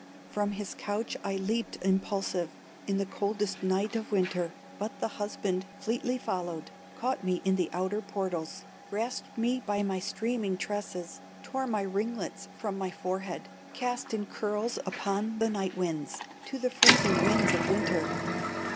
From his couch I leaped impulsive, In the coldest night of winter, But the husband fleetly followed, Caught me at the outer portals, Grasped me by my streaming tresses, Tore my ringlets from my forehead, Cast in curls upon the night winds To the freezing winds of winter.